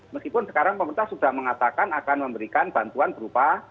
meskipun sekarang pemerintah sudah mengatakan akan memberikan bantuan berupa